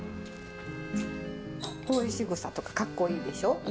こういうしぐさとかかっこいいでしょ？